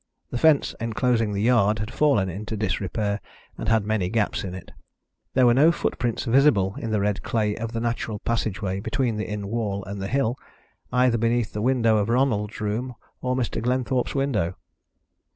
The fence enclosing the yard had fallen into disrepair, and had many gaps in it. There were no footprints visible in the red clay of the natural passage way between the inn wall and the hill, either beneath the window of Ronald's room or Mr. Glenthorpe's window.